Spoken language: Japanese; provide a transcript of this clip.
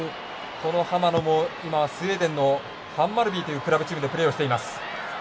浜野もスウェーデンのハンマルビーというクラブチームでプレーをしています。